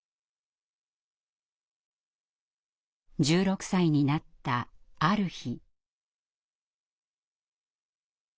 １６歳になったある日。